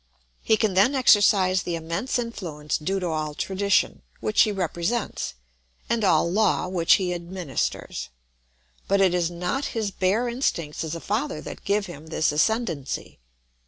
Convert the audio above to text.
He can then exercise the immense influence due to all tradition, which he represents, and all law, which he administers; but it is not his bare instincts as a father that give him this ascendency.